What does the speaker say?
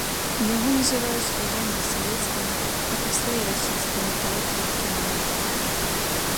Яго называюць легендай савецкага, а пасля і расійскага тэатра і кіно.